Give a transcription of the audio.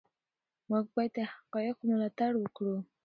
موږ باید د حقایقو ملاتړ وکړو.